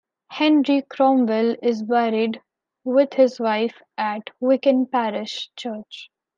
Henry Cromwell is buried with his wife at Wicken parish church.